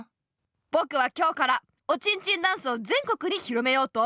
ぼくは今日からおちんちんダンスを全国に広めようと思う！